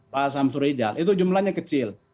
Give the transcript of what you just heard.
pak samsur ijal itu jumlahnya kecil